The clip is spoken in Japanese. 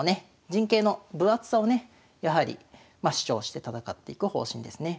陣形の分厚さをねやはり主張して戦っていく方針ですね。